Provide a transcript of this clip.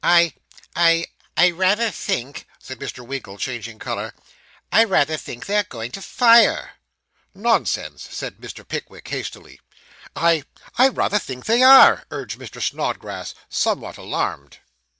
'I I rather think,' said Mr. Winkle, changing colour 'I rather think they're going to fire.' 'Nonsense,' said Mr. Pickwick hastily. 'I I really think they are,' urged Mr. Snodgrass, somewhat alarmed.